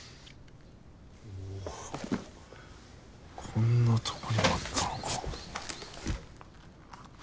こんなとこにあったのか。